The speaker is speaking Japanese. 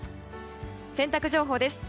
洗濯情報です。